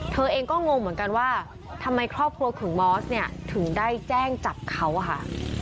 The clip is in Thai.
เธอเองก็งงเหมือนกันว่าทำไมครอบครัวถึงมอสเนี่ยถึงได้แจ้งจับเขาอะค่ะ